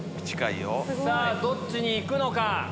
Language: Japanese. さぁどっちに行くのか？